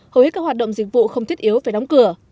hầu hết các hoạt động dịch vụ không thiết yếu phải đóng cửa